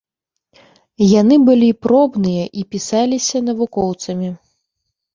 Яны былі пробныя і пісаліся навукоўцамі.